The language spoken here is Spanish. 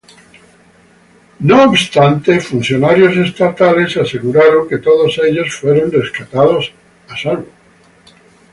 No obstante, funcionarios estatales aseguraron que todos ellos fueron rescatados a salvo.